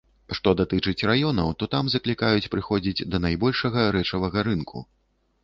Што датычыць раёнаў, то там заклікаюць прыходзіць да найбольшага рэчавага рынку.